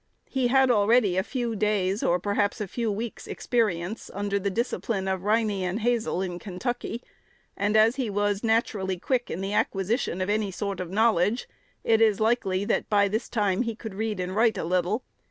He had already had a few days', or perhaps a few weeks' experience, under the discipline of Riney and Hazel, in Kentucky; and, as he was naturally quick in the acquisition of any sort of knowledge, it is likely that by this time he could read and write a little.